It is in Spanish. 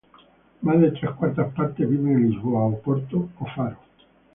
Más de tres cuartas partes viven en Lisboa, Oporto, o Faro.